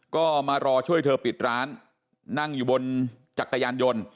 ก็มารอช่วยเธอปิดร้านนั่งอยู่บนจักรยานยนต์